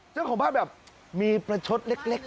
เจ้าของบ้านแบบมีประชดเล็กอย่างนี้